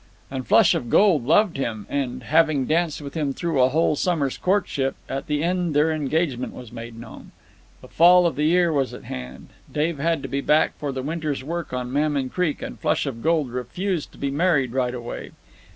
"And Flush of Gold loved him, and, having danced him through a whole summer's courtship, at the end their engagement was made known. The fall of the year was at hand, Dave had to be back for the winter's work on Mammon Creek, and Flush of Gold refused to be married right away.